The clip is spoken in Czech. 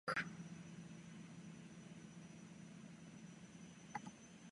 Na vrcholu kopce stojí nejstarší rozhledna v Jeseníkách.